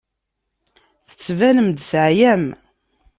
Tettbanem-d teɛyam.